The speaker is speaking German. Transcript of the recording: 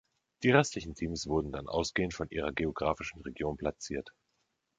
Die restlichen Teams wurden dann ausgehend von ihrer geographischen Region platziert.